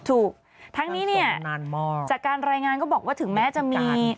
ถูกทั้งนี้เนี่ยจากการรายงานก็บอกว่าถึงแม้จะมี